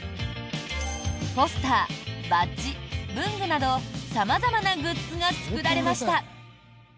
ポスター、バッジ、文具など様々なグッズが作られました。